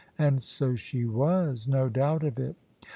And so she was; no doubt of it.